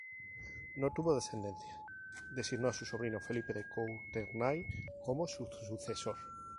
No tuvo descendencia y designó a su sobrino Felipe de Courtenay como su sucesor.